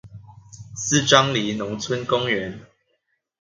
四張犁農村公園